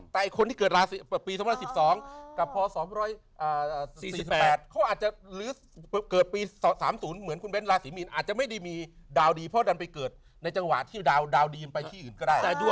แต่คนที่เกิดปี๒๑๒กับพศ๔๘เขาอาจจะหรือเกิดปี๓๐เหมือนคุณเบ้นราศีมีนอาจจะไม่ได้มีดาวดีเพราะดันไปเกิดในจังหวะที่ดาวดีมันไปที่อื่นก็ได้